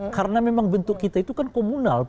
karena memang bentuk kita itu kan komunal